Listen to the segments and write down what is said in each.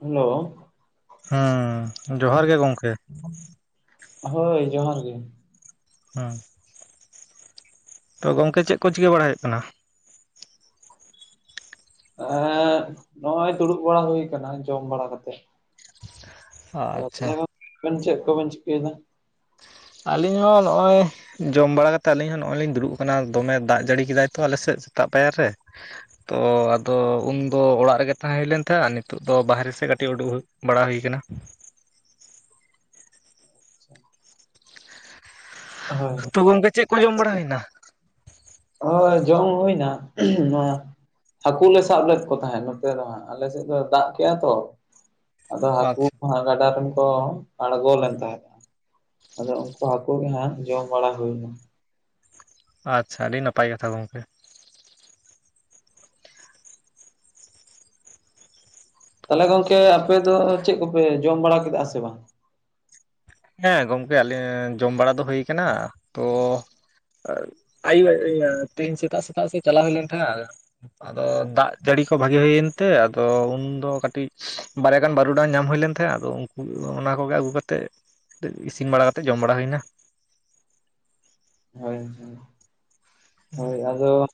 Hello ᱦᱮᱸ ᱡᱚᱦᱟᱨ ᱜᱮ ᱜᱚᱝᱠᱮ ᱦᱳᱭ ᱡᱚᱦᱟᱨ ᱜᱮ ᱦᱮᱸ ᱛᱚ ᱜᱚᱝᱠᱮ ᱪᱮᱫ ᱠᱚ ᱪᱤᱠᱟᱹ ᱵᱟᱲᱟ ᱦᱳᱭᱳᱜ ᱠᱟᱱᱟ ᱮᱸ ᱱᱚᱜᱼᱚᱭ ᱫᱩᱲᱩᱵ ᱵᱟᱲᱟ ᱦᱩᱭ ᱠᱟᱱᱟ ᱡᱚᱢ ᱵᱟᱲᱟ ᱠᱟᱛᱮᱜ ᱟᱪᱪᱷᱟ ᱛᱤᱱᱟᱹᱜ ᱜᱟᱱ ᱪᱮᱫ ᱠᱚᱵᱮᱱ ᱪᱤᱠᱟᱹᱭᱫᱟ ᱟᱹᱞᱤᱧ ᱦᱚᱸ ᱱᱚᱜᱼᱚᱭ ᱡᱚᱢ ᱵᱟᱲᱟ ᱠᱟᱛᱮᱫ ᱟᱞᱤᱧ ᱦᱚᱸ ᱱᱚᱜᱼᱚᱭ ᱞᱤᱧ ᱫᱩᱲᱩᱵ ᱠᱟᱱᱟ ᱫᱚᱢᱮ ᱫᱟᱜ ᱡᱟᱹᱲᱤ ᱠᱮᱫᱟᱭ ᱛᱚ ᱟᱞᱮ ᱥᱮᱫ ᱥᱮᱛᱟᱜ ᱯᱟᱭᱟᱨ ᱨᱮ ᱛᱚ ᱟᱫᱚ ᱩᱱᱫᱚ ᱚᱲᱟᱜ ᱨᱮᱜᱮ ᱛᱟᱦᱮᱸ ᱦᱩᱭᱞᱱ ᱛᱟᱦᱮᱸᱫᱼᱟ ᱱᱤᱛᱳᱜ ᱫᱚ ᱵᱟᱦᱨᱮ ᱥᱮᱫ ᱠᱟᱹᱴᱤᱡ ᱩᱰᱩᱠ ᱦᱳᱭ ᱵᱟᱲᱟ ᱦᱩᱭ ᱠᱟᱱᱟ ᱦᱳᱭ [inaudible] ᱛᱚ ᱜᱚᱝᱠᱮ ᱪᱮᱫ ᱠᱚ ᱡᱚᱢ ᱵᱟᱲᱟ ᱦᱩᱭᱱᱟ? ᱦᱳ ᱡᱚᱢ ᱦᱩᱭᱱᱟ ᱦᱟᱹᱠᱩ ᱞᱮ ᱥᱟᱵ ᱞᱮᱫ ᱠᱚ ᱛᱟᱦᱮᱸᱫ ᱱᱚᱛᱮ ᱫᱚ ᱦᱟᱸᱜ ᱟᱞᱮ ᱥᱮᱫ ᱫᱚ ᱫᱟᱜ ᱠᱮᱜᱼᱟ ᱛᱚ ᱟᱫᱚ ᱦᱟᱹᱠᱩ ᱟᱪᱪᱷᱟ ᱜᱟᱰᱟ ᱨᱮᱱ ᱠᱚ ᱟᱬᱜᱚ ᱞᱮᱱ ᱛᱟᱦᱮᱸᱫ ᱟᱫᱚ ᱩᱱᱠᱩ ᱦᱟᱹᱠᱳ ᱜᱮ ᱦᱟᱸᱜ ᱡᱚᱢ ᱵᱟᱲᱟ ᱦᱩᱭᱱᱟ ᱟᱪᱪᱷᱟ ᱟᱹᱰᱤ ᱱᱟᱯᱟᱭ ᱠᱟᱛᱷᱟ ᱜᱚᱝᱠᱮ ᱛᱟᱦᱞᱮ ᱜᱚᱝᱠᱮ ᱟᱯᱮ ᱫᱚ ᱪᱮᱫ ᱠᱚᱯᱮ ᱡᱚᱢ ᱵᱟᱲᱟ ᱠᱮᱫᱟ ᱥᱮ ᱵᱟᱝ ᱦᱮᱸ ᱜᱚᱢᱠᱮ ᱟᱞᱤᱧ ᱡᱚᱢ ᱵᱟᱲᱟ ᱫᱚ ᱦᱳᱭ ᱠᱟᱱᱟ ᱛᱚ [unintelligible] ᱛᱮᱦᱮᱧ ᱥᱮᱛᱟᱜ ᱥᱮᱛᱟᱜ ᱥᱮᱫ ᱪᱟᱞᱟᱣ ᱦᱩᱭ ᱞᱮᱱ ᱛᱟᱦᱮᱜᱟ ᱟᱫᱚ ᱫᱟᱜ ᱡᱟᱹᱲᱤ ᱠᱚ ᱵᱷᱟᱜᱤ ᱦᱳᱭᱮᱱ ᱛᱮ ᱟᱫᱚ ᱩᱱᱫᱚ ᱠᱟᱹᱴᱤᱡ ᱵᱟᱨᱭᱟ ᱜᱟᱱ ᱵᱟᱨᱩᱰᱟᱝ ᱧᱟᱢ ᱦᱩᱭ ᱞᱮᱱ ᱛᱟᱦᱮᱸᱫ ᱟᱫᱚ ᱩᱱᱠᱩ ᱚᱱᱟ ᱠᱚᱜᱮ ᱟᱹᱜᱩ ᱠᱟᱛᱮᱫ ᱤᱥᱤᱱ ᱵᱟᱲᱟ ᱠᱟᱛᱮᱫ ᱡᱚᱢ ᱵᱟᱲᱟ ᱦᱩᱭᱱᱟ ᱦᱳᱭ ᱟᱫᱚ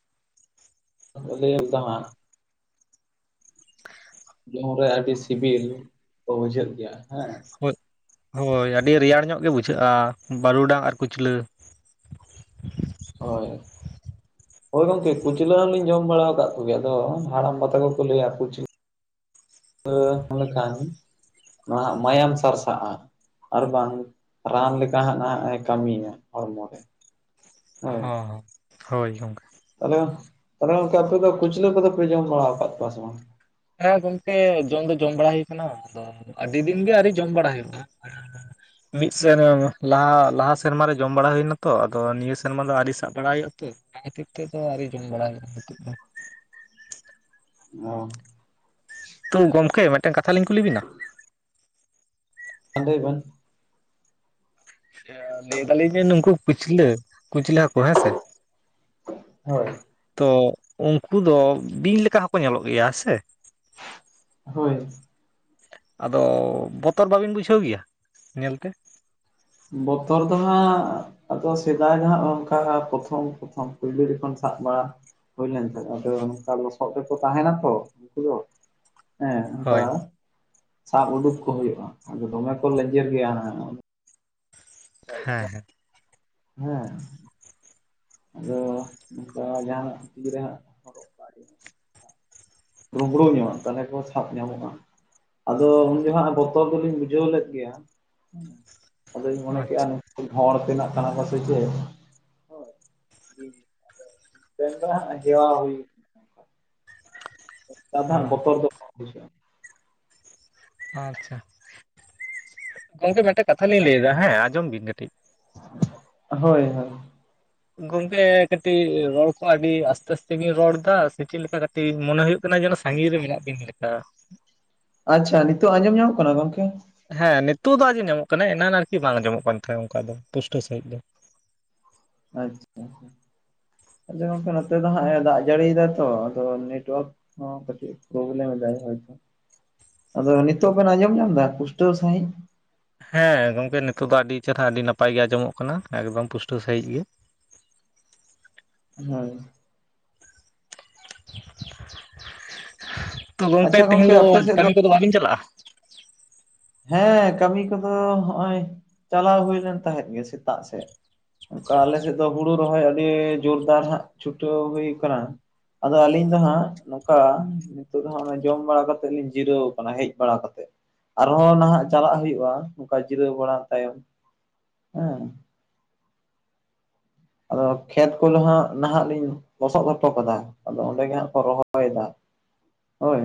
ᱞᱟᱹᱭᱟᱢ [unintelligible] ᱡᱚᱢ ᱨᱮ ᱟᱹᱰᱤ ᱥᱤᱵᱤᱞ ᱠᱚ ᱵᱩᱡᱷᱟᱹᱜ ᱜᱮᱭᱟ ᱦᱮᱸ ᱦᱳᱭ ᱦᱳᱭ ᱟᱹᱰᱤ ᱨᱮᱭᱟᱲ ᱧᱚᱜ ᱜᱮ ᱵᱩᱡᱷᱟᱹᱜᱼᱟ ᱵᱟᱹᱨᱩᱰᱟᱝ ᱟᱨ ᱠᱩᱪᱞᱟᱹ ᱦᱳᱭ ᱦᱳᱭ ᱜᱚᱝᱠᱮ ᱠᱩᱩᱪᱞᱟᱹ ᱦᱚᱸᱞᱤᱧ ᱡᱚᱢ ᱵᱟᱲᱟ ᱟᱠᱟᱫ ᱠᱚᱜᱮ ᱟᱫᱚ ᱦᱟᱲᱟᱢ ᱵᱟᱛᱟ ᱠᱚᱠᱚ ᱞᱟᱹᱭᱟ ᱠᱩᱪᱞᱼ [unintelligible] ᱞᱮᱠᱷᱟᱱ ᱱᱟᱦᱟᱜ ᱢᱟᱭᱟᱢ ᱥᱟᱨᱥᱟᱜᱼᱟ ᱟᱨ ᱵᱟᱝ ᱨᱟᱱ ᱞᱮᱠᱟ ᱦᱟᱸᱜ ᱮ ᱠᱟᱹᱢᱤᱭᱟ ᱦᱚᱲᱢᱚ ᱨᱮ ᱦᱚᱸ ᱦᱳᱭ ᱜᱚᱝᱠᱮ ᱛᱟᱦᱞᱮ ᱛᱟᱦᱞᱮ ᱜᱚᱢᱠᱮ ᱟᱯᱮ ᱫᱚ ᱠᱩᱪᱞᱟᱹ ᱠᱚᱫᱚ ᱯᱮ ᱡᱚᱢ ᱵᱟᱲᱟ ᱟᱠᱟᱫ ᱠᱚᱣᱟ ᱥᱮ ᱵᱟᱝ ᱦᱮᱸ ᱜᱚᱝᱠᱮ ᱡᱚᱢ ᱫᱚ ᱡᱚᱢ ᱵᱟᱲᱟ ᱦᱩᱭ ᱠᱟᱱᱟ ᱟᱫᱚ ᱟᱹᱰᱤ ᱫᱤᱱ ᱜᱮ ᱟᱹᱣᱤᱨ ᱡᱚᱢ ᱵᱟᱲᱟ ᱦᱩᱭᱩᱜᱼᱟ [unintelligible] ᱢᱤᱫ ᱥᱮᱨ ᱞᱟᱦᱟ ᱞᱟᱦᱟ ᱥᱮᱨᱢ ᱨᱮ ᱡᱚᱢ ᱵᱟᱲᱟ ᱦᱩᱭᱱᱟᱛᱚ ᱟᱫᱚ ᱱᱤᱭᱟᱹ ᱥᱮᱨᱢᱟ ᱫᱚ ᱟᱣᱨᱤ ᱥᱟᱵ ᱵᱟᱲᱟ ᱦᱩᱭᱩᱜᱼᱟ ᱛᱚ ᱟᱫᱚ ᱱᱤᱛᱚᱜ ᱫᱚ ᱟᱶᱨᱤ ᱡᱚᱢ ᱵᱟᱲᱟᱭ ᱦᱩᱭᱩᱜᱼᱟ ᱱᱤᱛᱚᱜ ᱫᱚ [inaudible] ᱛᱚ ᱜᱚᱝᱠᱮ ᱢᱤᱫᱴᱟᱝ ᱠᱟᱛᱷᱟᱞᱤᱧ ᱠᱩᱞᱤ ᱵᱤᱱᱟ ᱦᱮᱸ ᱞᱟᱹᱭᱵᱤᱱ ᱞᱟᱹᱭ ᱫᱟᱞᱤᱧ ᱡᱮ ᱱᱩᱝᱠᱩ ᱠᱩᱪᱞᱟᱹ ᱠᱩᱪᱞᱟᱹ ᱦᱟᱹᱠᱩ ᱦᱮᱸᱥᱮ ᱦᱳᱭ ᱛᱚ ᱩᱱᱠᱩ ᱫᱚ ᱵᱤᱧ ᱞᱮᱠᱟ ᱦᱚᱸᱠᱚ ᱧᱮᱞᱚᱜ ᱜᱮᱭᱟᱮᱸ ᱥᱮ ᱦᱳᱭ ᱟᱫᱚ ᱵᱚᱛᱚᱨ ᱵᱟᱵᱤᱱ ᱵᱩᱡᱷᱟᱹᱣ ᱜᱮᱭᱟ ᱧᱮᱞᱛᱮ ᱵᱚᱛᱚᱨ ᱫᱚ ᱦᱟᱸᱜ ᱟᱫᱚ ᱥᱮᱫᱟᱭ ᱫᱚ ᱦᱟᱸᱜ ᱚᱱᱠᱟ ᱯᱨᱚᱛᱷᱚᱢ ᱯᱨᱚᱛᱷᱚᱢ ᱯᱳᱭᱞᱳ ᱡᱠᱷᱚᱱ ᱥᱟᱵ ᱵᱟᱲᱟ ᱦᱩᱭᱞᱮᱱ ᱛᱟᱦᱮᱸ ᱟᱫᱚ ᱱᱚᱝᱠᱟ ᱞᱚᱥᱚᱫ ᱨᱮᱠᱚ ᱛᱟᱦᱮᱱᱟ ᱛᱚ ᱩᱱᱠᱩ ᱫᱚ ᱦᱮᱸ ᱚᱱᱠᱟ ᱦᱳᱭ ᱥᱟᱵ ᱩᱰᱩᱠ ᱠᱚ ᱦᱩᱭᱩᱜᱼᱟ ᱟᱫᱚ ᱫᱚᱢᱮ ᱠᱚ ᱞᱮᱡᱮᱨ ᱜᱮᱭᱟ ᱦᱮᱸ ᱦᱮᱸ ᱦᱮᱸ ᱟᱫᱚ ᱱᱚᱝᱠᱟ ᱡᱟᱦᱱᱟᱜ ᱛᱤᱨᱮ ᱦᱟᱸᱜ ᱦᱚᱨᱚᱜ ᱠᱟᱜ ᱦᱩᱭᱩᱜᱼᱟ [unintelligible] ᱧᱚᱜ ᱛᱟᱦᱚᱞᱮ ᱠᱚ ᱥᱟᱵ ᱧᱟᱢᱚᱜᱼᱟ ᱟᱫᱚ ᱩᱱ ᱡᱚᱦᱟᱜ ᱵᱚᱛᱚᱨ ᱫᱚᱞᱤᱧ ᱵᱩᱡᱷᱟᱹᱣ ᱞᱮᱫ ᱜᱮᱭᱟ ᱟᱫᱚᱧ ᱢᱚᱱᱮ ᱠᱮᱼᱟ ᱟᱪᱪᱷᱟ ᱢᱤᱛᱴᱮᱱ ᱦᱚᱲ ᱛᱮᱱᱟᱜ ᱛᱟᱬᱟᱠᱚ ᱥᱮ ᱪᱮᱫ [unintelligible] ᱢᱮᱱ ᱫᱚ ᱦᱟᱜ ᱡᱮᱶᱭᱟ ᱦᱩᱭ [unintelligible] ᱦᱮᱸ ᱵᱚᱛᱚᱨ ᱫᱚ ᱠᱚᱢ ᱵᱩᱡᱷᱟᱹᱜᱼᱟ ᱟᱪᱪᱷᱟ ᱜᱚᱝᱠᱮ ᱢᱤᱫᱴᱮᱱ ᱠᱟᱛᱷᱟᱞᱤᱧ ᱞᱟᱹᱭᱮᱫᱟ ᱦᱮᱸ ᱟᱸᱡᱚᱢ ᱵᱤᱱ ᱠᱟᱹᱴᱤᱡ ᱦᱳᱭ ᱦᱳᱭ ᱜᱚᱝᱠᱮ ᱠᱟᱹᱴᱤᱡ ᱨᱚᱲ ᱠᱚ ᱟᱹᱰᱤ ᱟᱥᱛᱮ ᱟᱥᱛᱮ ᱵᱤᱧ ᱨᱚᱲ ᱮᱫᱟ ᱥᱮ ᱪᱮᱫ ᱞᱮᱠᱟ ᱢᱚᱱᱮ ᱦᱩᱭᱩᱜ ᱠᱟᱱᱟ ᱡᱮᱱᱚ ᱥᱟᱹᱜᱤᱧ ᱨᱮ ᱢᱮᱱᱟᱜ ᱵᱤᱱ ᱞᱮᱠᱟ ᱟᱪᱪᱷᱟ ᱱᱤᱛᱚᱜ ᱟᱸᱡᱚᱢ ᱧᱟᱢᱚᱜ ᱠᱟᱱᱟ ᱜᱚᱝᱠᱮ ᱦᱮᱸ ᱱᱤᱛᱚᱜ ᱫᱚ ᱟᱡᱚᱢ ᱧᱟᱢᱚᱜ ᱠᱟᱱᱟ ᱮᱱᱟᱱ ᱟᱨᱠᱤ ᱵᱟᱝ ᱟᱸᱡᱚᱢᱚᱜ ᱠᱟᱱ ᱛᱟᱦᱮᱸ ᱚᱱᱠᱟ ᱫᱚ ᱯᱩᱥᱴᱟᱹᱶ ᱥᱟᱹᱦᱤᱡ ᱫᱚ ᱟᱪᱪᱷᱟ ᱟᱫᱚ ᱜᱚᱝᱠᱮ ᱱᱚᱛᱮ ᱫᱚ ᱦᱟᱸᱜ ᱮ ᱫᱟᱜ ᱡᱟᱹᱲᱤᱭ ᱫᱟ ᱛᱚ ᱟᱫᱚ ᱱᱮᱴᱣᱟᱠ ᱦᱚᱸ ᱠᱟᱹᱴᱤᱡ ᱯᱨᱚᱵᱞᱮᱢ ᱮᱫᱟᱭ ᱦᱚᱭ ᱛᱚ ᱟᱫᱚ ᱱᱤᱛᱚᱜ ᱵᱮᱱ ᱟᱸᱡᱚᱢ ᱧᱟᱢ ᱮᱫᱟ ᱯᱩᱥᱴᱟᱹᱣ ᱥᱟᱹᱦᱤᱡ ᱦᱮᱸ ᱜᱚᱝᱠᱮ ᱱᱤᱛᱚᱜ ᱫᱚ ᱟᱹᱰᱤ ᱪᱮᱨᱦᱨᱟ ᱟᱹᱰᱤ ᱱᱟᱯᱟᱭ ᱜᱮ ᱟᱸᱡᱚᱢᱚᱜ ᱠᱟᱱᱟ ᱮᱠᱫᱚᱢ ᱯᱩᱥᱴᱟᱹᱣ ᱥᱟᱹᱦᱤᱡ ᱜᱮ [unintelligible] [inaudible] ᱛᱚ ᱜᱚᱝᱠᱮ ᱟᱪᱪᱷᱟ ᱛᱮᱦᱮᱧ ᱫᱚ ᱟᱯᱮ ᱥᱮᱫ ᱠᱟᱹᱢᱤ ᱠᱚᱫᱚ ᱵᱟᱵᱤᱱ ᱪᱟᱞᱟᱜᱼᱟ ᱦᱮᱸ ᱠᱟᱹᱢᱤ ᱠᱚᱫᱚ ᱦᱚᱜᱼᱚᱭ ᱪᱟᱞᱟᱣ ᱦᱩᱭ ᱞᱮᱱ ᱛᱟᱦᱮᱸᱫ ᱜᱮ ᱥᱮᱛᱟᱜ ᱥᱮᱫ ᱚᱱᱠᱟ ᱟᱞᱮ ᱥᱮᱫ ᱫᱚ ᱦᱩᱲᱩ ᱨᱚᱦᱚᱭ ᱟᱹᱰᱤ ᱡᱳᱨᱫᱟᱨ ᱦᱟᱸᱜ ᱪᱷᱩᱴᱟᱹᱣ ᱦᱩᱭ ᱟᱠᱟᱱᱟ ᱟᱫᱚ ᱟᱹᱞᱤᱧ ᱫᱚ ᱦᱟᱸᱜ ᱱᱚᱝᱠᱟ ᱱᱤᱛᱳ ᱫᱚ ᱦᱟᱸᱜ ᱚᱱᱟ ᱡᱚᱢ ᱵᱟᱲᱟ ᱠᱟᱛᱮᱜ ᱞᱤᱧ ᱡᱤᱨᱟᱹᱣ ᱟᱠᱟᱱᱟ ᱦᱮᱡ ᱵᱟᱲᱟ ᱠᱟᱛᱮᱫ ᱟᱨᱦᱚᱸ ᱱᱟᱦᱟᱜ ᱪᱟᱞᱟᱜ ᱦᱩᱭᱩᱜᱼᱟ ᱱᱚᱝᱠᱟ ᱡᱤᱨᱟᱹᱣ ᱵᱟᱲᱟ ᱛᱟᱭᱚᱢ ᱦᱮᱸ ᱟᱫᱚ ᱠᱷᱮᱛ ᱠᱚ ᱱᱟᱦᱟᱜ ᱱᱟᱦᱟᱜ ᱞᱤᱧ ᱞᱚᱥᱚᱫ ᱦᱚᱴᱚ ᱠᱟᱫᱟ ᱟᱫᱚ ᱚᱸᱰᱮ ᱜᱮ ᱦᱟᱸᱜ ᱠᱚ ᱨᱚᱦᱚᱭᱮᱫᱟ ᱦᱳᱭ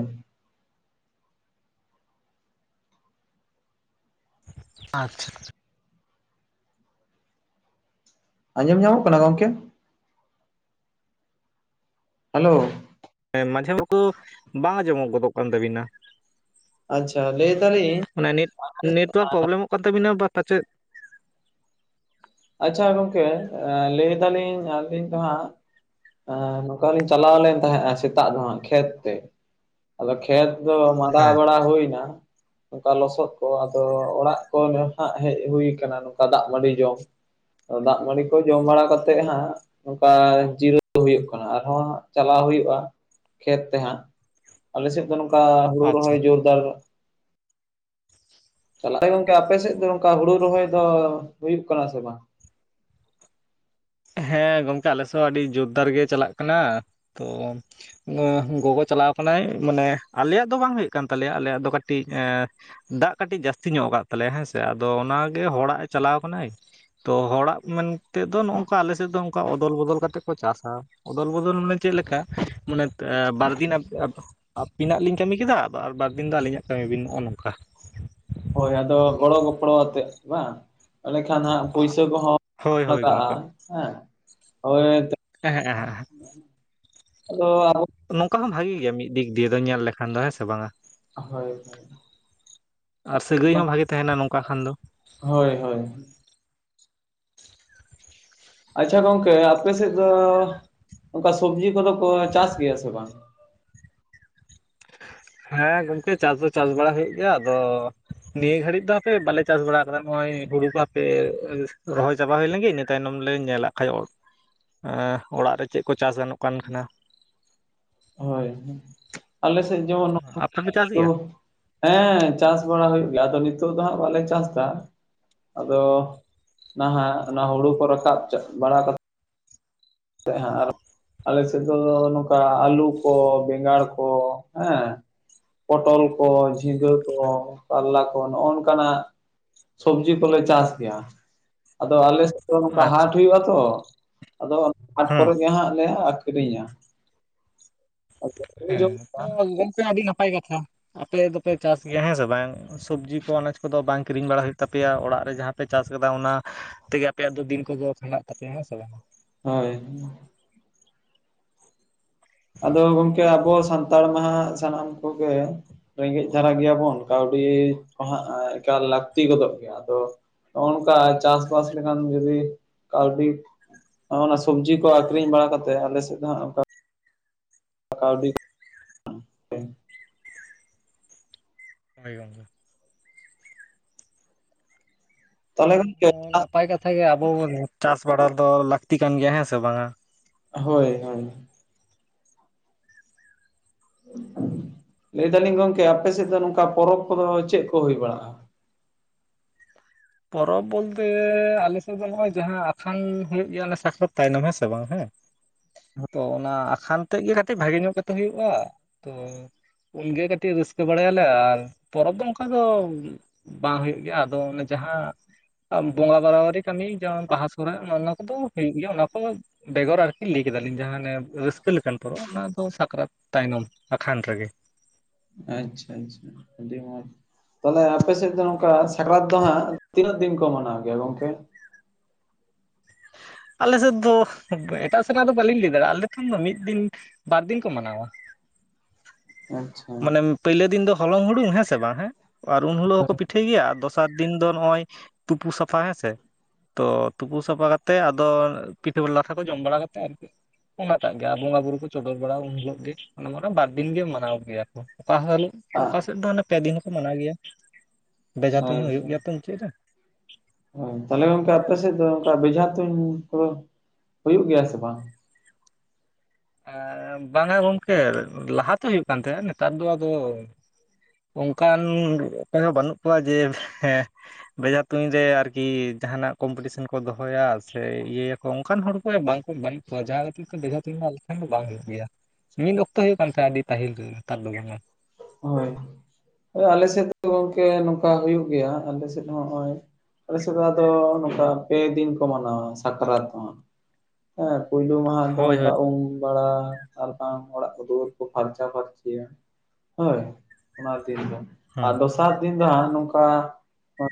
ᱟᱪᱪᱷᱟ ᱟᱸᱡᱚᱢ ᱧᱟᱢᱚᱜ ᱠᱟᱱᱟ ᱜᱚᱢᱠᱮ ᱦᱮᱞᱳ ᱦᱮᱸ ᱢᱟᱡᱷᱮ ᱵᱷᱩᱠᱩ ᱵᱟᱝ ᱟᱡᱚᱢᱚᱜ ᱜᱚᱫᱚᱜ ᱠᱟᱱ ᱛᱟᱵᱤᱱᱟ ᱟᱪᱪᱷᱟ ᱞᱟᱹᱭ ᱫᱟᱞᱤᱧ [unintelligible] ᱯᱟᱛᱟ ᱪᱮᱫ ᱟᱪᱪᱷᱟ ᱜᱚᱢᱠᱮ ᱞᱟᱹᱭ ᱮᱫᱟᱞᱤᱧ ᱟᱹᱞᱤᱧ ᱫᱚ ᱦᱟᱸᱜ ᱟ ᱱᱚᱝᱠᱟ ᱞᱤᱧ ᱪᱟᱞᱟᱣ ᱞᱮᱱ ᱛᱟᱦᱮᱸᱫᱼᱟ ᱥᱮᱛᱟᱜ ᱫᱚ ᱦᱟᱸᱜ ᱠᱷᱮᱛ ᱛᱮ᱾ ᱟᱫᱚ ᱠᱷᱮᱛ ᱫᱚ ᱢᱟᱸᱫᱟ ᱦᱮᱸ ᱵᱟᱲᱟ ᱦᱩᱭ ᱱᱟ᱾ ᱱᱚᱝᱠᱟ ᱞᱚᱥᱚᱫ ᱠᱚ ᱟᱫᱚ ᱚᱲᱟᱜ ᱠᱚ ᱦᱟᱸᱜ ᱦᱮᱡ ᱦᱩᱭᱩ ᱠᱟᱱᱟ ᱱᱚᱝᱠᱟ ᱫᱟᱜ ᱢᱟᱹᱰᱤ ᱡᱚᱢ᱾ ᱫᱟᱜ ᱢᱟᱹᱲᱤ ᱠᱚ ᱡᱚᱢ ᱵᱟᱲᱟ ᱠᱟᱛᱮᱫ ᱦᱟᱸᱜ᱾ ᱚᱱᱠᱟ ᱡᱤᱨᱟᱹᱜ ᱦᱩᱭᱩᱜ ᱠᱟᱱᱟ ᱟᱨᱦᱚᱸ ᱪᱟᱞᱟᱣ ᱦᱩᱭᱩᱜᱼᱟ ᱠᱷᱮᱛ ᱛᱮᱦᱟᱸᱜ᱾ ᱟᱞᱮ ᱥᱮᱫ ᱫᱚ ᱱᱚᱝᱠᱟ ᱦᱩᱲᱩ ᱟᱪᱪᱷᱟ ᱨᱚᱦᱚᱭ ᱡᱳᱨᱫᱟᱨ ᱛᱟᱦᱚᱞᱮ ᱜᱚᱝᱠᱮ ᱟᱯᱮ ᱥᱮᱫ ᱫᱚ ᱱᱚᱝᱠᱟ ᱦᱩᱲᱩ ᱨᱚᱦᱚᱭ ᱫᱚ ᱦᱩᱭᱩᱜ ᱠᱟᱱᱟ ᱥᱮ ᱵᱟᱝ? ᱦᱮᱸ ᱜᱚᱝᱠᱮ ᱟᱞᱮᱥᱮᱫ ᱦᱚᱸ ᱟᱹᱰᱤ ᱡᱳᱨᱫᱟᱨ ᱜᱮ ᱪᱟᱞᱟᱜ ᱠᱟᱱᱟ ᱛᱚ᱾ ᱮ ᱜᱚᱜᱚ ᱪᱟᱞᱟᱣ ᱠᱟᱱᱟᱭ ᱢᱟᱱᱮ ᱟᱞᱮᱭᱟᱜ ᱫᱚ ᱵᱟᱝ ᱦᱩᱭᱩᱜ ᱠᱟᱱ ᱛᱟᱞᱮᱭᱟ ᱟᱞᱮᱭᱟᱜ ᱫᱚ ᱠᱟᱹᱴᱤᱡ ᱮ ᱫᱟᱜ ᱠᱟᱹᱴᱤᱡ ᱡᱟᱹᱥᱛᱤ ᱧᱚᱜ ᱠᱟᱫ ᱛᱟᱞᱮᱭᱟ ᱦᱮᱸᱥᱮ ᱟᱫᱚ ᱚᱱᱟᱜᱮ ᱦᱚᱲᱟᱜ ᱮ ᱪᱟᱞᱟᱣ ᱠᱟᱱᱟᱭ᱾ ᱛᱚ ᱦᱚᱲᱟᱜ ᱢᱮᱱᱛᱮ ᱫᱚ ᱱᱚᱜᱝᱠᱟ ᱟᱞᱮᱥᱮᱫ ᱫᱚ ᱚᱱᱠᱟ ᱚᱫᱚᱞ ᱵᱚᱫᱚᱞ ᱠᱟᱛᱮᱫ ᱠᱚ ᱪᱟᱥᱥᱟᱹ ᱾ ᱚᱫᱚᱞ ᱵᱚᱫᱚᱞ ᱢᱟᱱᱮ ᱪᱮᱫ ᱞᱮᱠᱟ ᱢᱟᱱᱮ ᱵᱟᱨᱫᱤᱱ᱾ ᱟᱹᱵᱤᱱᱟᱜ ᱞᱤᱧ ᱠᱟᱹᱢᱤ ᱠᱮᱫᱟ ᱟᱨ ᱵᱟᱨ ᱫᱤᱱ ᱫᱚ ᱟᱹᱞᱤᱧᱟᱜ ᱠᱟᱹᱢᱤ ᱵᱤᱱ ᱱᱚᱜ-ᱚ ᱱᱚᱝᱠᱟ᱾ ᱦᱳᱭ ᱟᱫᱚ ᱜᱚᱲᱚ ᱜᱚᱯᱲᱚ ᱟᱛᱮ ᱵᱟᱝ? ᱮᱰᱮ ᱠᱷᱟᱱ ᱦᱟᱸᱜ ᱯᱩᱭᱥᱟᱹ ᱠᱚᱦᱚᱸ ᱦᱳᱭ ᱦᱳᱭ ᱞᱟᱜᱟᱜ-ᱟ ᱜᱚᱝᱠᱮ ᱦᱮᱸ ᱦᱳᱭ ᱦᱮᱸ ᱦᱮᱸ ᱦᱮᱸ ᱟᱫᱚ ᱱᱚᱝᱠᱟ ᱦᱚᱸ ᱵᱷᱟᱜᱮ ᱜᱮᱭᱟ ᱢᱤᱫ ᱫᱤᱠ ᱫᱤᱭᱮ ᱫᱚ ᱧᱮᱞ ᱞᱮᱠᱷᱟᱱ ᱫᱚ ᱦᱮᱸ ᱥᱮ ᱵᱟᱝᱟ? ᱦᱳᱭ ᱦᱳᱭ ᱟᱨ ᱥᱟᱹᱜᱟᱹᱭ ᱦᱚᱸ ᱵᱷᱟᱜᱮ ᱛᱟᱦᱮᱱᱟ ᱱᱚᱝᱠᱟ ᱠᱷᱟᱱ ᱫᱚ᱾ ᱦᱳᱭ ᱦᱳᱭ ᱟᱪᱪᱷᱟ ᱜᱚᱝᱠᱮ ᱟᱯᱮ ᱥᱮᱫ ᱫᱚ ᱚᱱᱠᱟ ᱥᱚᱵᱡᱤ ᱠᱚᱫᱚ ᱠᱚ ᱪᱟᱥ ᱜᱮᱭᱟ ᱥᱮ ᱵᱟᱝ? ᱦᱮᱸ ᱜᱚᱝᱠᱮ ᱪᱟᱥ ᱫᱚ ᱪᱟᱥ ᱵᱟᱲᱟ ᱦᱩᱭᱩᱜ ᱜᱮᱭᱟ ᱟᱫᱚ᱾ ᱱᱤᱭᱟᱹ ᱜᱷᱲᱤᱡ ᱫᱚ ᱦᱟᱯᱮ ᱵᱟᱞᱮ ᱪᱟᱥ ᱵᱟᱲᱟ ᱠᱟᱫᱟ ᱱᱚᱭ-ᱚᱭ ᱦᱩᱲᱩ ᱠᱚ ᱦᱟᱯᱮ ᱨᱚᱦᱚᱭ ᱪᱟᱵᱟ ᱦᱩᱭ ᱞᱮᱱ ᱜᱮ᱾ ᱛᱟᱭᱱᱚᱢ ᱞᱮ ᱧᱮᱞᱟᱜ ᱠᱷᱟᱡ ᱚᱲᱟᱜ ᱨᱮ ᱪᱮᱫ ᱠᱚ ᱪᱟᱥ ᱜᱟᱱᱚᱜ ᱠᱟᱱ ᱠᱷᱟᱱᱟ᱾ ᱦᱳᱭ ᱟᱞᱮ ᱥᱮᱫ ᱡᱮᱢᱚᱱ ᱟᱯᱮ ᱯᱮ ᱪᱟᱥ ᱜᱮᱭᱟ ᱦᱮᱸ ᱪᱟᱥ ᱵᱟᱲᱟ ᱦᱩᱭᱩᱜ ᱜᱮᱭᱟ ᱟᱫᱚ ᱱᱤᱛᱚᱜ ᱫᱚ ᱦᱟᱸᱜ ᱵᱟᱞᱮ ᱪᱟᱥ ᱫᱟ᱾ ᱟᱫᱚ ᱱᱟᱦᱟᱜ ᱚᱱᱟ ᱦᱩᱲᱩ ᱠᱚ ᱨᱟᱠᱟᱵ ᱵᱟᱲᱟ ᱠᱟᱛᱮ᱾ [unintelligible] ᱟᱞᱮᱥᱮᱫ ᱫᱚ ᱱᱚᱝᱠᱟ ᱟᱞᱩ ᱠᱚ ᱵᱮᱸᱜᱟᱲ ᱠᱚ ᱦᱮᱸ᱾ ᱯᱚᱴᱚᱞ ᱠᱚ ᱡᱷᱤᱸᱜᱟᱹ ᱠᱚ ᱠᱟᱞᱞᱟ ᱠᱚ ᱱᱚᱜᱼᱚ ᱱᱚᱝᱠᱟᱱᱟᱜ᱾ ᱥᱚᱵᱽᱡᱤ ᱠᱚᱞᱮ ᱪᱟᱥ ᱜᱮᱭᱟ ᱟᱫᱚ ᱟᱞᱮ ᱫᱚ ᱱᱚᱝᱠᱟ ᱟᱪᱪᱷᱟ ᱦᱟᱴ ᱦᱩᱭᱩᱜᱼᱟ ᱛᱚ ᱟᱫᱚ ᱚᱱᱟ ᱦᱟᱴ ᱦᱮᱸ ᱠᱚᱨᱮ ᱜᱮ ᱦᱟᱸᱜ ᱞᱮ ᱟᱠᱷᱨᱤᱧᱟ ᱞᱮ ᱦᱮᱸ ᱡᱚᱢ ᱛᱚ ᱜᱮᱭᱟ ᱜᱚᱝᱠᱮ ᱟᱹᱰᱤ ᱱᱟᱯᱟᱭ ᱠᱟᱛᱷᱟ ᱟᱯᱮ ᱫᱚᱯᱮ ᱪᱟᱥ ᱜᱮᱭᱟ ᱦᱮᱸ ᱥᱮ ᱵᱟᱝ? ᱥᱚᱵᱡᱤ ᱠᱚ ᱟᱱᱟᱡᱽ ᱠᱚᱫᱚ ᱵᱟᱝ ᱠᱤᱨᱤᱧ ᱵᱟᱲᱟ ᱦᱩᱭᱩᱜ ᱛᱟᱯᱮᱭᱟ ᱚᱲᱟᱜ ᱨᱮ ᱡᱟᱦᱟᱸ ᱯᱮ ᱪᱟᱥ ᱟᱠᱟᱫᱟ ᱚᱱᱟᱼᱼ ᱛᱮᱜᱮ ᱟᱯᱮᱭᱟᱜ ᱫᱚ ᱫᱤᱱ ᱠᱚᱫᱚ ᱠᱷᱟᱸᱰᱟᱜ ᱛᱟᱯᱮᱭᱟ ᱦᱮᱸ ᱥᱮ ᱵᱟᱝ? ᱦᱳᱭ ᱟᱫᱚ ᱜᱚᱠᱮ ᱟᱵᱚ ᱥᱟᱱᱛᱟᱲ ᱢᱟ ᱦᱟᱸᱜ ᱥᱟᱱᱟᱢ ᱠᱚᱜᱮ ᱨᱮᱸᱜᱮᱡ ᱫᱷᱟᱨᱟ ᱜᱮᱭᱟᱵᱚᱱ ᱠᱟᱹᱣᱰᱤ ᱠᱚ ᱦᱟᱸᱜ ᱮᱠᱟᱞ ᱞᱟᱹᱠᱛᱤ ᱜᱚᱫᱚᱜ ᱜᱮᱭᱟ᱾ ᱟᱫᱚᱼᱼ ᱦᱚᱼᱚᱱᱠᱟ ᱪᱟᱥᱵᱟᱥ ᱞᱮᱠᱷᱟᱱ ᱡᱩᱫᱤ ᱠᱟᱹᱣᱰᱤᱼᱼ ᱚᱱᱟ ᱥᱚᱵᱡᱤ ᱠᱚ ᱟᱠᱷᱨᱤᱧ ᱵᱟᱲᱟ ᱠᱟᱛᱮᱜ ᱟᱞᱮ ᱥᱮᱫ ᱫᱚ ᱦᱟᱸᱜᱼᱼ ᱯᱠᱟᱣᱰᱤᱼᱼ ᱦᱳᱭ ᱜᱚᱝᱠᱮ᱾ ᱛᱟᱦᱚᱞᱮ ᱜᱚᱝᱠᱮ ᱚ ᱱᱟᱯᱟᱭ ᱠᱟᱛᱷᱟ ᱜᱮ ᱟᱵᱚ ᱪᱟᱥ ᱵᱟᱲᱟ ᱫᱚ ᱞᱟᱹᱠᱛᱤ ᱠᱟᱱ ᱜᱮᱭᱟ ᱦᱮᱸ ᱥᱮ ᱵᱟᱝᱟ? ᱦᱳᱭ ᱦᱳᱭ ᱞᱟᱹᱭ ᱫᱟᱞᱤᱧ ᱜᱚᱝᱠᱮ ᱟᱯᱮ ᱥᱮᱫ ᱫᱚ ᱱᱚᱝᱠᱟ ᱯᱚᱨᱚᱵᱽ ᱠᱚᱫᱚ ᱪᱮᱫ ᱠᱚ ᱦᱩᱭ ᱵᱟᱲᱟᱜᱼᱟ? ᱯᱚᱨᱚᱵᱽ ᱵᱚᱞᱛᱮ ᱟᱞᱮᱥᱮᱫ ᱫᱚ ᱱᱚᱜᱼᱚᱭ ᱡᱟᱦᱟᱸ ᱟᱠᱷᱟᱱ ᱦᱩᱭᱩᱜ ᱜᱮᱭᱟᱚᱱᱮ ᱥᱟᱠᱨᱟᱛ ᱛᱟᱭᱱᱚᱢ ᱦᱮᱸ ᱥᱮ ᱵᱟᱝ ᱦᱮᱸ᱾ ᱛᱚ ᱚᱱᱟ ᱟᱠᱷᱟᱱ ᱛᱮᱜ ᱜᱮ ᱠᱟᱹᱴᱤᱡ ᱵᱷᱟᱜᱮ ᱧᱚᱜ ᱠᱟᱛᱮ ᱦᱩᱭᱩᱜᱼᱟ ᱛᱚᱼᱼ ᱩᱱᱜᱮ ᱠᱟᱹᱴᱤᱡ ᱨᱟᱹᱥᱠᱟᱹ ᱵᱟᱲᱟᱭᱟᱞᱮ ᱟᱨ ᱯᱚᱨᱚᱵᱽ ᱫᱚ ᱚᱱᱠᱟ ᱫᱚ ᱵᱟᱝ ᱦᱩᱭᱩᱜ ᱜᱮᱭᱟ ᱟᱫᱚ ᱚᱱᱮ ᱡᱟᱦᱟᱸ ᱵᱚᱸᱜᱟ ᱵᱟᱨᱟᱵᱟᱨᱤ ᱠᱟᱹᱢᱤ ᱡᱮᱢᱚᱱ ᱵᱟᱦᱟ ᱥᱚᱦᱨᱟᱭ ᱚᱱᱮ ᱚᱱᱟ ᱠᱚᱫᱚ ᱦᱩᱭᱩᱜ ᱜᱮᱭᱟ ᱚᱱᱟ ᱠᱚᱼᱼ ᱵᱮᱜᱚᱨ ᱟᱨᱠᱤ ᱞᱟᱹᱭ ᱠᱮᱫᱟᱞᱤᱧ ᱡᱟᱦᱟ ᱚᱱᱮ ᱨᱟᱹᱥᱠᱟᱹ ᱞᱮᱠᱟᱱ ᱯᱚᱨᱚᱵ ᱚᱱᱟ ᱫᱚ ᱥᱟᱠᱨᱟᱛ ᱛᱟᱭᱱᱚᱢ ᱟᱠᱷᱟᱱ ᱨᱮᱜᱮ ᱟᱪᱪᱷᱟ ᱟᱪᱪᱷᱟ ᱟᱹᱰᱤ ᱢᱚᱡᱽ ᱛᱟᱦᱞᱮ ᱟᱯᱮ ᱥᱮᱫ ᱫᱚ ᱱᱚᱝᱠᱟ ᱥᱟᱠᱨᱟᱛ ᱫᱚ ᱦᱟᱸᱜ ᱛᱤᱱᱟᱹᱜ ᱫᱤᱱ ᱠᱚ ᱢᱟᱱᱟᱣ ᱜᱮᱭᱟ ᱜᱚᱝᱠᱮ ᱟᱞᱮᱥᱮᱫ ᱫᱚ ᱮᱴᱟᱜ ᱥᱮᱱᱟᱜ ᱫᱚ ᱵᱟᱹᱞᱤᱧ ᱞᱟᱹᱭ ᱫᱟᱲᱮᱭᱟᱜ-ᱟ ᱟᱞᱮ ᱴᱷᱮᱱ ᱫᱚ ᱢᱤᱫ ᱫᱤᱱ ᱵᱟᱨ ᱫᱤᱱ ᱠᱚ ᱢᱟᱱᱟᱣᱟ ᱟᱪᱪᱷᱟ ᱢᱟᱱᱮ ᱦᱳᱭ ᱯᱟᱹᱭᱞᱟ. ᱫᱤᱱ ᱫᱚ ᱦᱚᱞᱚᱝ ᱦᱩᱲᱩ ᱦᱮᱸᱥᱮ ᱵᱟᱝ ᱦᱮ ᱟᱨ ᱩᱱ ᱦᱤᱞᱳᱜ ᱦᱚᱸᱠᱚ ᱯᱤᱴᱷᱟᱹ ᱴᱷᱤᱠ ᱜᱮᱭᱟ ᱫᱚᱥᱟᱨ ᱫᱤᱱ ᱫᱚ ᱱᱚᱜ ᱚᱭ ᱛᱩᱯᱩ ᱥᱟᱯᱷᱟ ᱦᱮᱸᱥᱮ ᱛᱚ ᱛᱩᱯᱩ ᱥᱟᱯᱷᱟ ᱠᱟᱛᱮᱫ ᱟᱫᱚ ᱯᱤᱴᱷᱟᱹ ᱞᱟᱴᱷᱟ ᱠᱚ ᱡᱚᱢ ᱵᱟᱲᱟ ᱠᱟᱛᱮᱫ ᱟᱨᱠᱤ, ᱚᱱᱟᱴᱟᱜ ᱜᱮ ᱟᱨ ᱵᱚᱸᱜᱟ ᱵᱩᱨᱩ ᱠᱚ ᱪᱚᱰᱚᱨ ᱵᱟᱲᱟ ᱩᱱ ᱦᱤᱞᱳᱜ ᱜᱮ ᱵᱟᱨᱫᱤᱱ ᱜᱮ ᱢᱟᱱᱟᱣ ᱜᱮᱭᱟ ᱚᱠᱟ ᱦᱤᱞᱳᱜ ᱟᱜ ᱚᱠᱟ ᱥᱮᱫ ᱫᱚ ᱦᱟᱱᱮ ᱯᱮ ᱫᱤᱱ ᱦᱚᱸᱠᱚ ᱢᱟᱱᱟᱣ ᱜᱮᱭᱟ ᱵᱮᱡᱦᱟ ᱦᱳᱭ ᱛᱩᱸᱧ ᱦᱚᱸ ᱦᱩᱭᱩᱜ ᱦᱳᱭ ᱜᱮᱭᱟ ᱛᱚ᱾ [inaudible] ᱦᱳᱭ ᱛᱟᱦᱚᱞᱮ ᱜᱚᱝᱠᱮ ᱟᱯᱮ ᱥᱮᱫ ᱫᱚ ᱚᱱᱠᱟ ᱵᱮᱡᱷᱟ ᱛᱩᱧ ᱠᱚ ᱦᱩᱭᱩᱜ ᱜᱮᱭᱟ ᱥᱮ ᱵᱟᱝ ᱮᱻ ᱵᱟᱝᱟ ᱜᱚᱝᱠᱮ ᱞᱟᱦᱟᱛᱮ ᱦᱩᱭᱩᱜ ᱠᱟᱱ ᱛᱟᱦᱮᱸᱫ ᱱᱮᱛᱟᱨ ᱫᱚ ᱟᱫᱚ ᱚᱱᱠᱟᱱ ᱚᱠᱚᱭᱦᱚᱸ ᱵᱟᱹᱱᱩᱜ ᱠᱚᱣᱟ ᱡᱮ ᱦᱮᱸ ᱵᱮᱡᱽᱦᱟ ᱛᱩᱧ ᱨᱮ ᱟᱨᱠᱤ ᱡᱟᱦᱟᱱᱟᱜ ᱠᱚᱢᱯᱤᱴᱤᱥᱮᱱ ᱠᱚ ᱫᱚᱦᱚᱭᱟ ᱥᱮ ᱤᱭᱟᱹᱭᱟ ᱚᱱᱠᱟᱱ ᱦᱚᱲ ᱠᱚ ᱵᱟᱝᱠᱚ ᱢᱟᱹᱱ ᱠᱚᱣᱟ ᱡᱟᱦᱟᱸ ᱠᱷᱟᱹᱛᱤᱨ ᱛᱮ ᱵᱷᱮᱡᱟ ᱛᱤᱧ ᱟᱞᱮᱴᱷᱮᱱ ᱫᱚ ᱵᱟᱝ ᱦᱩᱭᱩᱜ ᱜᱮᱭᱟ ᱢᱤᱫ ᱚᱠᱛᱚ ᱦᱩᱭᱩᱜ ᱠᱟᱱ ᱛᱟᱦᱮᱸ ᱟᱹᱰᱤ ᱯᱟᱹᱦᱤᱞ ᱨᱮ ᱱᱮᱛᱟᱨ ᱫᱚ ᱵᱟᱝ ᱟ ᱦᱳᱭ ᱦᱳᱭ ᱟᱞᱮ ᱥᱮᱫ ᱜᱚᱝᱠᱮ ᱱᱚᱝᱠᱟ ᱦᱩᱭᱩᱜ ᱜᱮᱭᱟ ᱟᱞᱮ ᱥᱮᱫ ᱦᱚᱸ ᱱᱚᱜ-ᱚᱭ ᱟᱞᱮᱥᱮᱫ ᱫᱚ ᱟᱫᱚ ᱱᱚᱝᱠᱟ ᱯᱮ ᱫᱤᱱ ᱠᱚ ᱢᱟᱱᱟᱣᱟ ᱥᱟᱠᱨᱟᱛ ᱫᱴ ᱮᱸ ᱯᱩᱭᱞᱩ ᱢᱟᱦᱟ ᱫᱚ ᱦᱳᱭ ᱚᱱᱠᱟ ᱦᱳᱭ ᱩᱢ ᱵᱟᱲᱟ ᱟᱨᱵᱟᱝ ᱚᱲᱟᱜ ᱫᱩᱣᱟᱹᱨ ᱠᱚ ᱯᱷᱟᱨᱪᱟ ᱯᱷᱟᱨᱪᱤ ᱦᱳᱭ ᱚᱱᱟ ᱫᱤᱱ ᱫᱚ ᱦᱮᱸ ᱟᱨ ᱫᱚᱥᱟᱨ ᱫᱤᱱ ᱫᱚ ᱦᱟᱸᱜ ᱱᱚᱝᱠᱟ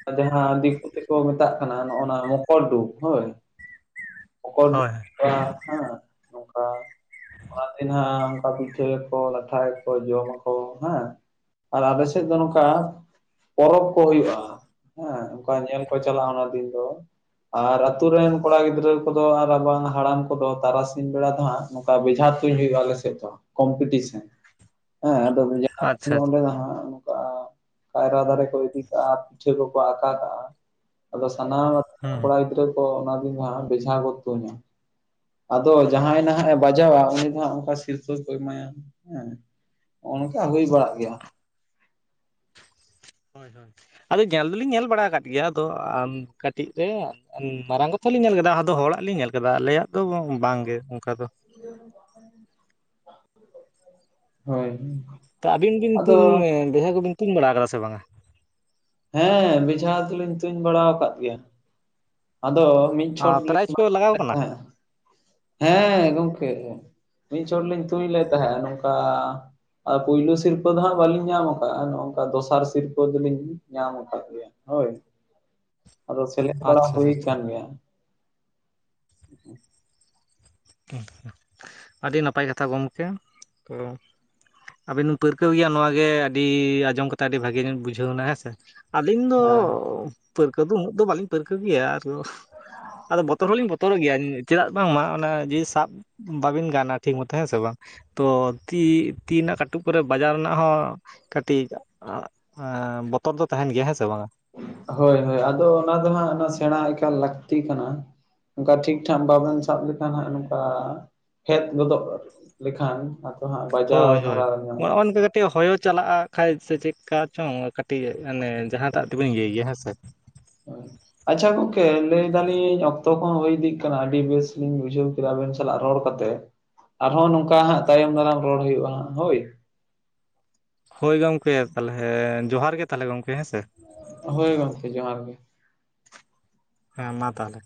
ᱟᱫᱚ ᱦᱟᱜ ᱫᱤᱠᱩ ᱛᱮᱠᱚ ᱢᱮᱛᱟᱜ ᱠᱟᱱᱟ ᱱᱚᱜ ᱚ ᱱᱚᱣᱟ ᱢᱚᱠᱚᱨᱰᱩᱵ ᱦᱳᱭ ᱦᱳᱭ ᱢᱚᱠᱚᱨᱰᱩᱵ [unintelligible] ᱱᱚᱝᱠᱟ ᱚ ᱛᱮᱦᱮᱧᱟᱜ ᱚᱱᱠᱟ ᱯᱤᱴᱷᱟᱹᱠᱚ ᱞᱟᱴᱷᱟᱠᱚ ᱡᱚᱢᱟ ᱦᱮᱸ ᱟᱨ ᱟᱵᱚ ᱥᱮᱫ ᱫᱚ ᱱᱚᱝᱠᱟ ᱯᱚᱨᱚᱵᱽ ᱠᱚ ᱦᱩᱭᱩᱜ-ᱟ ᱦᱮᱸ ᱚᱝᱠᱟ ᱧᱮᱞ ᱠᱚ ᱪᱟᱞᱟᱣ ᱱᱟ ᱫᱤᱱ ᱫᱚ ᱟᱨ ᱟᱛᱩ ᱨᱮᱱ ᱠᱚᱲᱟ ᱜᱤᱫᱽᱨᱟᱹ ᱠᱚᱫᱚ ᱟᱨ ᱵᱟᱝ ᱦᱟᱲᱟᱢ ᱠᱚᱫᱚ ᱛᱟᱨᱟᱥᱤᱧ ᱵᱮᱲᱟ ᱫᱚ ᱦᱟᱸᱜ ᱱᱚᱝᱠᱟ ᱵᱮᱡᱷᱟ ᱛᱩᱧ ᱦᱩᱭᱩᱜᱼᱟ ᱟᱞᱮᱥᱮᱫ ᱫᱚ ᱠᱚᱢᱯᱤᱴᱤᱥᱮᱱ ᱦᱮᱸ ᱟᱫᱚ ᱢᱤᱫ ᱟᱪᱪᱷᱟ ᱚᱠᱛᱚ ᱟᱪᱪᱷᱟ ᱫᱚ ᱦᱟᱸᱜ ᱚᱝᱠᱟ ᱠᱟᱭᱨᱟ ᱫᱟᱨᱮ ᱠᱚ ᱤᱫᱤ ᱠᱟᱜ-ᱟ ᱯᱤᱴᱷᱟᱹ ᱠᱚᱠᱚ ᱟᱠᱟᱸ ᱠᱟᱜ-ᱟ ᱟᱫᱚ ᱥᱟᱱᱟᱢ ᱦᱮᱸ ᱠᱚᱲᱟ ᱜᱤᱫᱽᱨᱟᱹ ᱠᱚ ᱚᱱᱟ ᱫᱤᱱ ᱫᱚ ᱦᱟᱸᱜ ᱵᱮᱡᱷᱟ ᱠᱚ ᱛᱩᱧᱟ᱾ ᱟᱫᱚ ᱡᱟᱦᱟᱸᱭ ᱱᱟᱦᱟᱜ ᱮ ᱵᱟᱡᱟᱣᱟ ᱩᱱᱤ ᱫᱚ ᱱᱟᱦᱟᱸᱜ ᱚᱠᱚᱭ ᱥᱤᱨᱯᱟᱹ ᱠᱚ ᱮᱢᱟᱭᱟ ᱦᱮᱸ ᱚᱱᱠᱟ ᱦᱩᱭ ᱵᱟᱲᱟᱜ ᱜᱮᱭᱟ᱾ ᱦᱳᱭ ᱦᱳᱭ ᱟᱫᱚ ᱧᱮᱞ ᱫᱚᱞᱤᱧ ᱧᱮᱞ ᱵᱟᱲᱟ ᱟᱠᱟᱫ ᱜᱮᱭᱟ ᱟᱫᱚ ᱟᱢ ᱠᱟᱹᱴᱤᱡ ᱨᱮ ᱢᱟᱨᱟᱝ ᱠᱟᱛᱮ ᱞᱤᱧ ᱧᱮᱞ ᱠᱮᱫᱟ ᱟᱫᱚ ᱦᱚᱲᱟᱜ ᱞᱤᱧ ᱧᱮᱞ ᱟᱠᱟᱫᱟ ᱟᱞᱮᱭᱟᱜ ᱫᱚ ᱵᱟᱝᱜᱮ ᱚᱱᱠᱟ ᱫᱚ [unintelligible] ᱦᱳᱭ ᱛᱚ ᱟᱵᱤᱱ ᱵᱤᱱ ᱟᱫᱚ ᱛᱩᱧ ᱵᱮᱡᱷᱟ ᱠᱚᱵᱤᱱ ᱛᱩᱧ ᱵᱟᱲᱟ ᱠᱟᱫᱟ ᱥᱮ ᱵᱟᱝ ᱟ ᱦᱮᱸ ᱵᱮᱡᱷᱟ ᱫᱚᱞᱤᱧ ᱛᱩᱧ ᱵᱟᱲᱟ ᱟᱠᱟᱫ ᱜᱮᱭᱟ ᱟᱫᱚ ᱢᱤᱫ ᱪᱷᱚᱴ ᱞᱤᱧ ᱯᱨᱟᱭᱤᱡᱽ ᱠᱚ ᱞᱟᱜᱟᱣ [inaudible] ᱠᱟᱱᱟ ᱛᱟᱦᱮᱸ ᱦᱮᱸ ᱜᱚᱢᱠᱮ ᱢᱤᱫ ᱪᱷᱚᱴ ᱞᱤᱧ ᱛᱩᱧ ᱞᱮᱫ ᱛᱟᱦᱮᱸᱫ ᱱᱚᱝᱠᱟ᱾ ᱟᱨ ᱯᱩᱭᱞᱩ ᱥᱤᱨᱯᱟᱹ ᱫᱚ ᱦᱟᱸᱜ ᱵᱟᱞᱤᱧ ᱧᱟᱢ ᱟᱠᱟᱫ-ᱟ ᱱᱚᱝᱠᱟ ᱫᱚᱥᱟᱨ ᱥᱤᱨᱯᱟᱹ ᱫᱚᱞᱤᱧ ᱧᱟᱢ ᱟᱠᱟᱫ ᱜᱮᱭᱟ᱾ ᱦᱳᱭ ᱟᱫᱚ ᱥᱮᱞᱮᱫ ᱵᱟᱲᱟ ᱟᱪᱪᱷᱟ ᱦᱩᱭ ᱟᱪᱪᱷᱟ ᱟᱠᱟᱱ ᱜᱮᱭᱟ ᱟᱹᱰᱤ ᱱᱟᱯᱟᱭ ᱠᱟᱛᱷᱟ ᱜᱚᱢᱠᱮ ᱟᱵᱤᱱ ᱵᱤᱱ ᱯᱟᱹᱨᱠᱟᱹᱣ ᱜᱮᱭᱟ ᱱᱚᱣᱟ ᱜᱮ ᱟᱹᱰᱤ ᱟᱸᱡᱚᱢ ᱠᱟᱛᱮᱜ ᱟᱹᱰᱤ ᱵᱷᱟᱹᱜᱤ ᱞᱤᱧ ᱵᱩᱡᱷᱟᱹᱣᱱᱟ ᱦᱮᱸᱥᱮ ᱟᱹᱞᱤᱧ ᱫᱚ ᱦᱮᱸ ᱯᱟᱹᱨᱠᱟᱹᱣ ᱫᱚ ᱩᱱᱟᱹᱜ ᱫᱚ ᱵᱟᱹᱞᱤᱧ ᱯᱟᱹᱨᱠᱟᱹᱣ ᱜᱮᱭᱟ ᱟᱨ ᱟᱫᱚ ᱵᱚᱛᱚᱨ ᱦᱚᱞᱤᱧ ᱵᱚᱛ [unintelligible] ᱜᱮᱭᱟ ᱪᱮᱫᱟᱜ ᱵᱟᱝ ᱢᱟ, ᱚᱱᱟ ᱡᱤᱱᱤᱥ ᱥᱟᱵ ᱵᱟᱵᱤᱱ ᱜᱟᱱᱟ ᱴᱷᱤᱠ ᱢᱚᱛᱚ ᱦᱮᱸ ᱥᱮ ᱵᱟᱝ᱾ ᱛᱚ ᱛᱤ, ᱛᱤ ᱨᱮᱱᱟᱜ ᱠᱟᱹᱴᱩᱵ ᱠᱚᱨᱮ ᱵᱟᱡᱟᱨ ᱨᱮᱱᱟᱜ ᱦᱚᱸ ᱠᱟᱹᱴᱤᱡ ᱵᱚᱛᱚᱨ ᱫᱚ ᱛᱟᱦᱮᱱ ᱜᱮᱭᱟ ᱦᱮᱸ ᱥᱮ ᱵᱟᱝ-ᱟ? ᱦᱳᱭ ᱦᱳᱭ ᱟᱫᱚ ᱚᱱᱟ ᱫᱚ ᱦᱟᱸᱜ ᱚᱱᱟ ᱥᱮᱬᱟ ᱮᱠᱟᱞ ᱞᱟᱹᱠᱛᱤ ᱠᱟᱱᱟ᱾ ᱚᱱᱠᱟ ᱴᱷᱤᱠ ᱴᱷᱟᱠ ᱵᱟᱵᱮᱱ ᱥᱟᱵ ᱞᱮᱠᱷᱟᱱ ᱦᱟᱸᱜ ᱱᱚᱝᱠᱟ ᱯᱷᱮᱫ ᱜᱚᱫᱚᱜ ᱞᱮᱠᱷᱟᱱ ᱟᱫᱚ ᱦᱟᱸᱜ ᱵᱟᱡᱟᱣ ᱦᱳᱭ ᱦᱳᱭ ᱫᱷᱟᱨᱟ ᱨᱮᱱᱟᱜ ᱱᱚᱜᱼᱚ ᱱᱚᱝᱠᱟ ᱠᱟᱹᱴᱤᱡ ᱦᱚᱭᱚ ᱪᱟᱞᱟᱜᱼᱟ, ᱠᱷᱟᱡ ᱥᱮ ᱪᱮᱫᱽ ᱠᱟ ᱪᱚᱝ ᱠᱟᱹᱴᱤᱡ ᱢᱟᱱᱮ ᱡᱟᱦᱟᱸᱴᱟᱜ ᱛᱮᱵᱚᱱ ᱤᱭᱟᱹᱭ ᱜᱮᱭᱟ ᱦᱮᱸ ᱥᱮ᱾ ᱟᱪᱪᱷᱟ ᱜᱚᱢᱠᱮ ᱞᱟᱹᱭ ᱫᱟᱞᱤᱧ ᱚᱠᱛᱚ ᱠᱚᱦᱚᱸ ᱦᱳᱭ ᱤᱫᱤᱜ ᱠᱟᱱᱟ, ᱟᱹᱰᱤ ᱵᱮᱥ ᱞᱤᱧ ᱵᱩᱡᱷᱟᱹᱣ ᱠᱮᱫᱟ ᱟᱵᱮᱱ ᱥᱟᱞᱟᱜ ᱨᱚᱲ ᱠᱟᱛᱮ ᱟᱨᱦᱚᱸ ᱱᱚᱝᱠᱟ ᱦᱟᱸᱜ ᱛᱟᱭᱚᱢ ᱫᱟᱨᱟᱢ ᱨᱚᱲ ᱦᱳᱭᱳᱜᱼᱟ ᱦᱟᱸᱜ ᱦᱳᱭ ᱦᱳᱭ ᱜᱚᱢᱠᱮ ᱛᱟᱦᱚᱞᱮ ᱡᱚᱦᱟᱨ ᱜᱮ ᱛᱟᱦᱚᱞᱮ ᱜᱚᱢᱠᱮ ᱦᱮᱸ ᱥᱮ᱾ ᱦᱳᱭ ᱜᱚᱝᱠᱮ ᱡᱚᱦᱟᱨ ᱜᱮ ᱦᱮᱸ ᱢᱟ ᱛᱟᱦᱚᱞᱮ